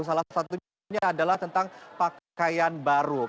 salah satunya adalah tentang pakaian baru